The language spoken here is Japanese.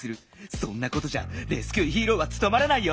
そんなことじゃレスキューヒーローはつとまらないよ。